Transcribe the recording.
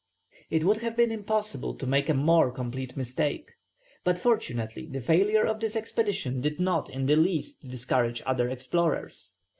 It would have been impossible to make a more complete mistake. But fortunately the failure of this expedition did not in the least discourage other explorers.